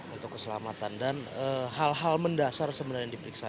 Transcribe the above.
untuk keselamatan dan hal hal mendasar sebenarnya yang diperiksa